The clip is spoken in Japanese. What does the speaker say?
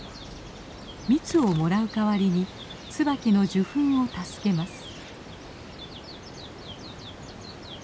蜜をもらう代わりにツバキの受粉を助けます。